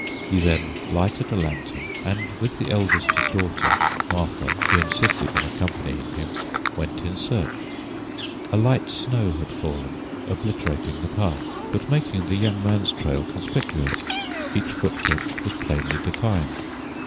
He then lighted a lantern and with the eldest daughter, Martha, who insisted on accompanying him, went in search. A light snow had fallen, obliterating the path, but making the young man's trail conspicuous; each footprint was plainly defined.